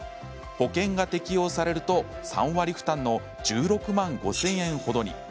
保険が適用されると、３割負担の１６万５０００円ほどに。